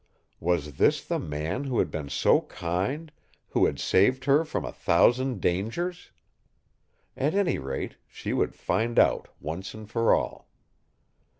Was this the man who had been so kind, who had saved her from a thousand dangers? At any rate, she would find out once and for all.